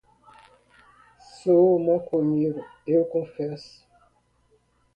Sou maconheiro, eu confesso